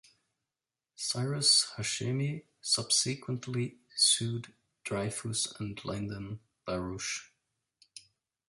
Cyrus Hashemi subsequently sued Dreyfuss and Lyndon Larouche.